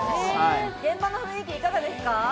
現場の雰囲気いかがですか？